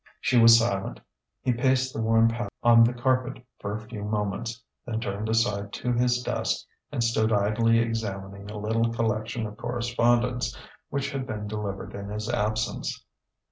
She was silent. He paced the worn path on the carpet for a few moments, then turned aside to his desk and stood idly examining a little collection of correspondence which had been delivered in his absence.